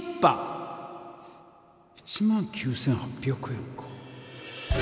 １９８００円か。